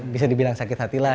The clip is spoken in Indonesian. bisa dibilang sakit hati lah